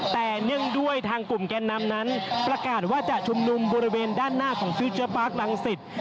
แต่เนื่องด้วยทางกลุ่มแกนนำนั้นประกาศว่าจะชุมนุมบริเวณด้านหน้าของฟิลเจอร์ปาร์คลังศิษย์